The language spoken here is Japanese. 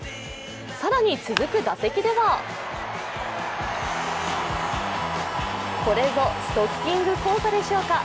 更に続く打席ではこれぞストッキング効果でしょうか？